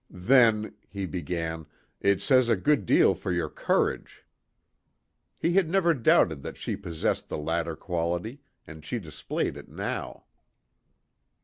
"Then," he began, "it says a good deal for your courage." He had never doubted that she possessed the latter quality, and she displayed it now.